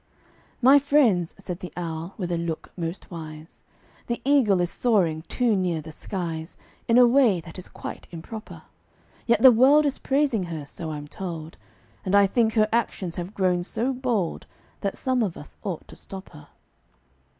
"My friends," said the Owl, with a look most wise, "The Eagle is soaring too near the skies, In a way that is quite improper; Yet the world is praising her, so I'm told, And I think her actions have grown so bold That some of us ought to stop her."